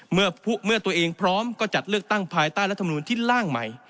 เมื่อตัวเองพร้อมก็จัดเลือกตั้งภายใต้รัฐมนูลที่ล่างใหม่